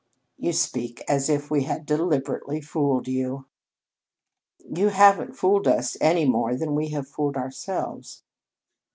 "You speak as if we had deliberately fooled you." "You haven't fooled us any more than we have fooled ourselves."